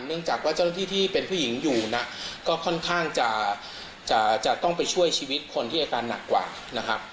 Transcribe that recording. เนื่องจากว่าเจ้าหน้าที่ที่เป็นผู้หญิงอยู่นะก็ค่อนข้างจะจะต้องไปช่วยชีวิตคนที่อาการหนักกว่านะครับ